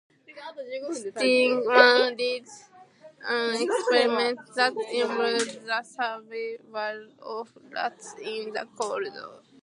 Steegman did an experiment that involved the survival of rats in the cold.